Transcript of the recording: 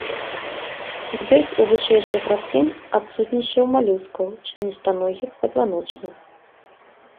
Ёсць у вышэйшых раслін, адсутнічае ў малюскаў, членістаногіх, пазваночных.